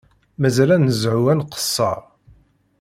Mazal ad nezhu ad nqeṣṣer